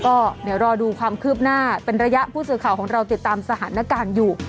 ก็เดี๋ยวรอดูความคืบหน้าเป็นระยะผู้สื่อข่าวของเราติดตามสถานการณ์อยู่